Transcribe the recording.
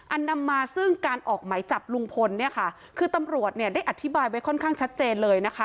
นำมาซึ่งการออกหมายจับลุงพลเนี่ยค่ะคือตำรวจเนี่ยได้อธิบายไว้ค่อนข้างชัดเจนเลยนะคะ